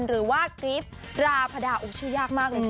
หรือว่ากิฟต์ราพดาอุ้ยชื่อยากมากเลยคุณ